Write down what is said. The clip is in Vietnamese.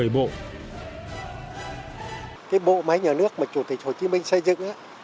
cái bộ máy nhà nước mà chủ tịch hồ chí minh xây dựng ấy